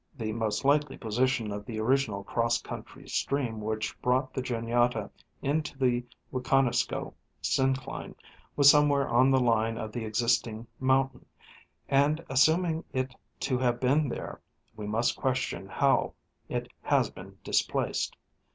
The most likely position of the original cross country stream which brought the Juniata into the Wiconisco syncline was somewhere on the line of the existing mountain, and assuming it to have been there, we must question how it has been displaced.